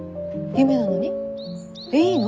夢なのに。